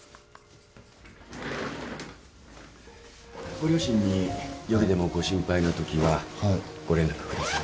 ご両親に夜でもご心配なときはご連絡下さいと。